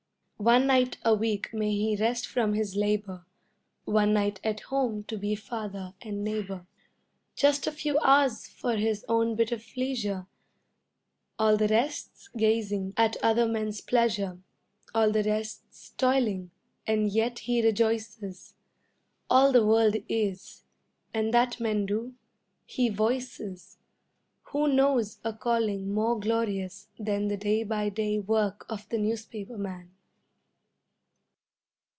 One night a week may he rest from his labor, One night at home to be father and neighbor; Just a few hours for his own bit of leisure, All the rest's gazing at other men's pleasure, All the rest's toiling, and yet he rejoices, All the world is, and that men do, he voices Who knows a calling more glorious than The day by day work of the newspaper man?